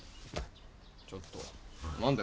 ちょっと何だよ